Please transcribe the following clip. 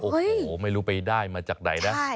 โอ้โหไม่รู้ไปได้มาจากไหนนะ